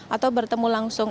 atau bertemu langsung